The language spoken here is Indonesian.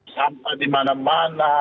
sampah di mana mana